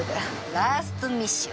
ラストミッション。